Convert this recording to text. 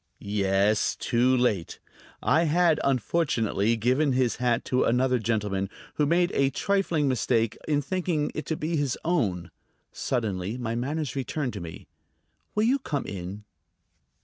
"Yes, too late. I had, unfortunately, given his hat to another gentleman who made a trifling mistake in thinking it to be his own." Suddenly my manners returned to me. "Will you come in?"